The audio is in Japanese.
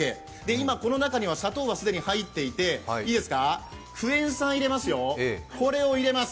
今、この中には砂糖が既に入っていて、クエン酸を入れますよ。